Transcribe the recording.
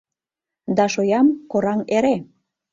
Да шоям кораҥ эре.